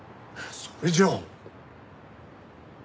それじゃあ。